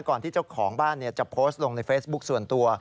ที่เจ้าของบ้านจะโพสต์ลงในเฟซบุ๊คส่วนตัว